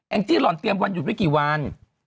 จี้หล่อนเตรียมวันหยุดไม่กี่วัน